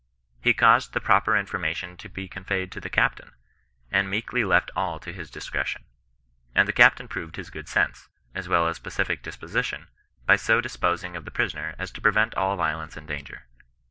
He caused the proper information to be conveyed to the captain, and meekly left all to his discretion. And the captain proved his good sense, as well as pacific disposition, by so dis posing of the prisoner as to prevent all violence and danger.